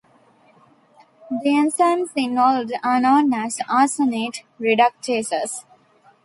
The enzymes involved are known as arsenate reductases.